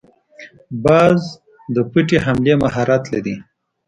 باز د پټې حملې مهارت لري